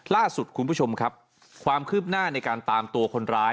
ล่าสุดคุณผู้ชมครับความคืบหน้าในการตามตัวคนร้าย